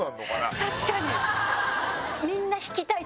確かに！